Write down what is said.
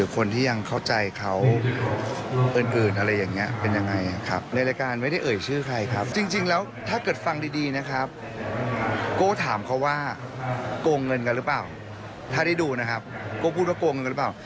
ก็ถามเขาว่าโกงเงินกันหรือเปล่าถ้าได้ดูนะครับก็พูดว่าโกงเงินกันหรือเปล่า